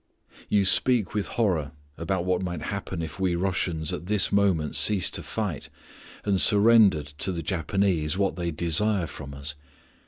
You speak with horror about what might happen if we Russians at this moment ceased to fight, and surrendered to the Japanese what they desire from us.